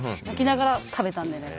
泣きながら食べた。